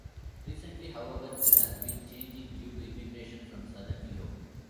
Recently, however, this has been changing due to immigration from Southern Europe.